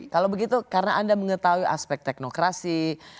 kalau begitu karena anda mengetahui aspek teknokrasi